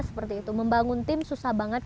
seperti itu membangun tim susah banget